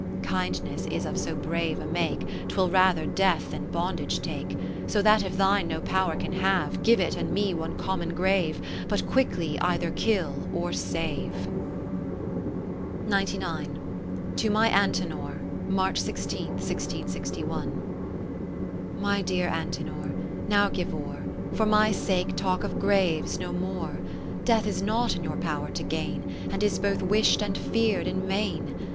Kindness is of so brave a make, 'Twill rather death than bondage take ; So that if thine no power can have, (live it and me one common grave, But quickly either kill or save. 30 To my Antenor, March 16, 166^ My dear Antenor, now give o'er. For my sake talk of graves no more ; Death is not in your power to gain. And is both wish'd and fear'd in vain.